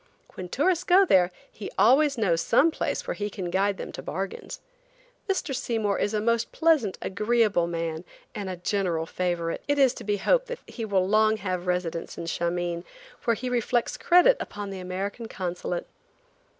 When tourists go there he always knows some place where he can guide them to bargains. Mr. Seymour is a most pleasant, agreeable man, and a general favorite. It is to be hoped that he will long have a residence in Shameen, where he reflects credit upon the American Consulate.